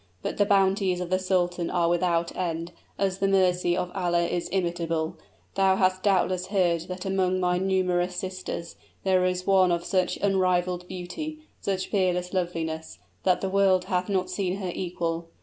But the bounties of the sultan are without end, as the mercy of Allah is illimitable! Thou hast doubtless heard that among my numerous sisters, there is one of such unrivaled beauty such peerless loveliness, that the world hath not seen her equal.